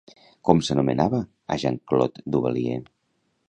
Com s'anomenava a Jean-Claude Duvalier?